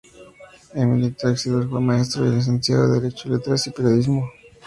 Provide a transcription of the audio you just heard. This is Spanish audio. Emili Teixidor fue maestro y licenciado en derecho, letras y periodismo.